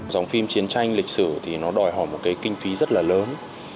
dòng phim chiến tranh lịch sử thì nó đòi hỏi một cái kinh phí rất là lớn